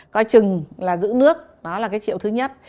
coi chừng là giữ nước đó là cái triệu thứ nhất